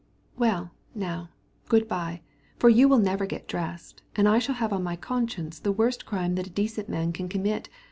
"Well now, good bye, or you'll never get washed, and I shall have on my conscience the worst sin a gentleman can commit.